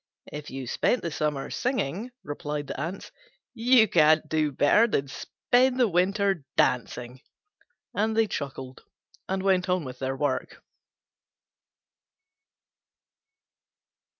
"If you spent the summer singing," replied the Ants, "you can't do better than spend the winter dancing." And they chuckled and went on with their work.